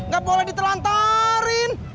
gak boleh ditelantarin